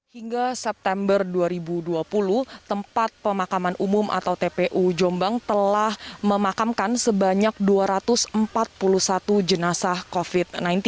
hingga september dua ribu dua puluh tempat pemakaman umum atau tpu jombang telah memakamkan sebanyak dua ratus empat puluh satu jenazah covid sembilan belas